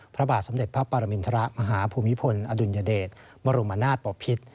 พระบาทสมเด็จพระปรมินทรมาฮภูมิพลอดุลยเดชบรมนาศปภิษ